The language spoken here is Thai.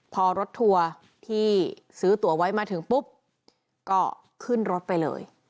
พอรถทัวร์ที่ซื้อตัวไว้มาถึงปุ๊บก็ขึ้นรถไปเลย